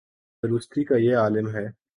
درستی کا یہ عالم ہے۔